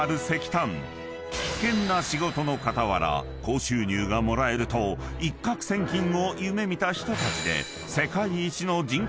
［危険な仕事の傍ら高収入がもらえると一獲千金を夢見た人たちで］